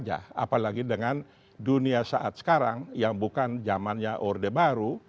apalagi dengan dunia saat sekarang yang bukan zamannya orde baru